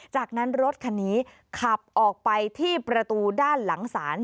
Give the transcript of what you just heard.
จากนั้นรถคันนี้ขับออกไปที่ประตูด้านหลังศาล